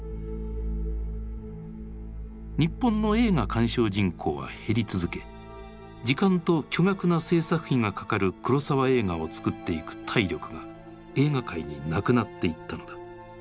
日本の映画鑑賞人口は減り続け時間と巨額な製作費がかかる黒澤映画を作っていく体力が映画界になくなっていったのだ。